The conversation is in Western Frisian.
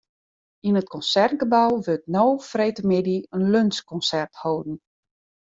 Yn it Konsertgebou wurdt no freedtemiddei in lunsjkonsert holden.